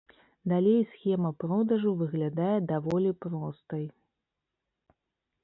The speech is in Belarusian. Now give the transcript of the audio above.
Далей схема продажу выглядае даволі простай.